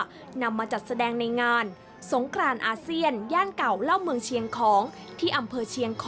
กระทรวงวัฒนธรรมร่วมกับลูกทุ่มมหานคร